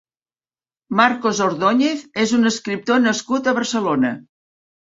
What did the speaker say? Marcos Ordóñez és un escriptor nascut a Barcelona.